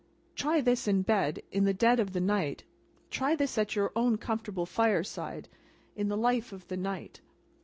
Try this in bed, in the dead of the night: try this at your own comfortable fire side, in the life of the night.